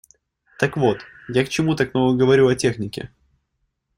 Так вот, я к чему так много говорю о технике.